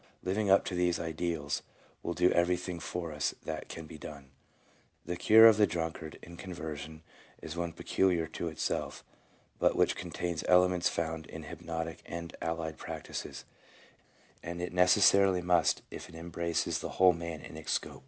Living up to these ideals will do every thing for us that can be done." 2 The cure of the drunkard in conversion is one peculiar to itself, but which contains elements found in hypnotic and allied practices, and it necessarily must if it embraces the whole man in its scope.